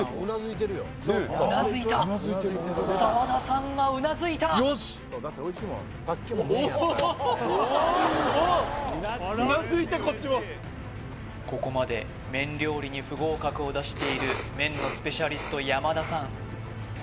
うなずいた澤田さんがうなずいたここまで麺料理に不合格を出している麺のスペシャリスト山田さん